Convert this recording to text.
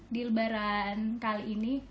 di lebaran kali ini